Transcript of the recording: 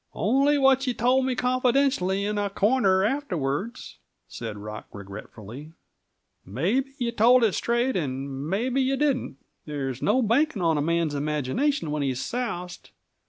"Only what you told me, confidentially, in a corner afterwards," said Rock regretfully. "Maybe you told it straight, and maybe you didn't; there's no banking on a man's imagination when he's soused.